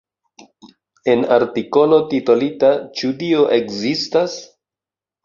En artikolo titolita "Ĉu Dio ekzistas?